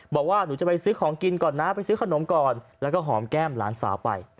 บอกว่าหนูจะไปซื้อของกินก่อนนะไปซื้อขนมก่อนแล้วก็หอมแก้มหลานสาวไป